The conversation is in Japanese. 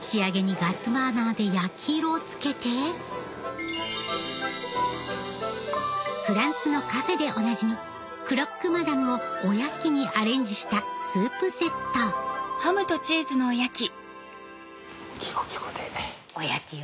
仕上げにガスバーナーで焼き色をつけてフランスのカフェでおなじみクロックマダムをおやきにアレンジしたスープセットおやきを？